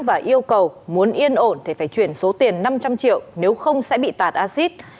và yêu cầu muốn yên ổn thì phải chuyển số tiền năm trăm linh triệu nếu không sẽ bị tạt acid